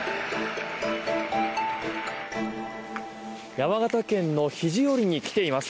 山形県の肘折に来ています。